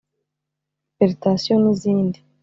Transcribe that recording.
Hypertension n’izindi